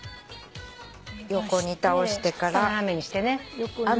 横に倒してから。